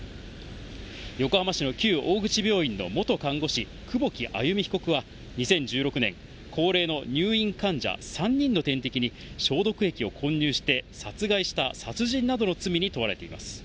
横浜市の旧大口病院の元看護師、久保木愛弓被告は２０１６年、高齢の入院患者３人の点滴に消毒液を混入して殺害した殺人などの罪に問われています。